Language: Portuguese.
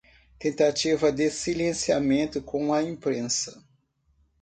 Tentativa de silenciamento com a imprensa